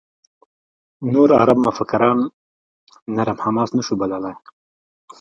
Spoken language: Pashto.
نور عرب مفکران «نرم حماس» نه شو بللای.